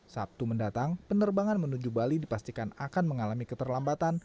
sabtu mendatang penerbangan menuju bali dipastikan akan mengalami keterlambatan